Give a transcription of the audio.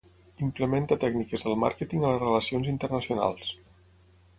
Implementa tècniques del màrqueting a les relacions internacionals.